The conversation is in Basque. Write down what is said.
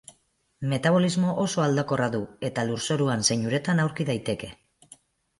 Metabolismo oso aldakorra du, eta lurzoruan zein uretan aurki daiteke.